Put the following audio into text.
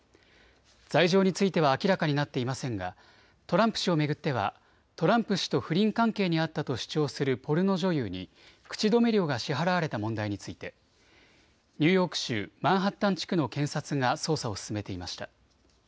罪状については明らかになっていませんがトランプ氏を巡ってはトランプ氏と不倫関係にあったと主張するポルノ女優に口止め料が支払われた問題についてニューヨーク州マンハッタン地区の検察が捜査を進めていました。